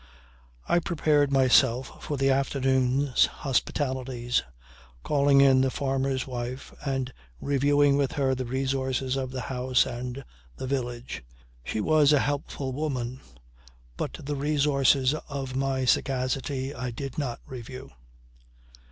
I prepared myself for the afternoon's hospitalities, calling in the farmer's wife and reviewing with her the resources of the house and the village. She was a helpful woman. But the resources of my sagacity I did not review.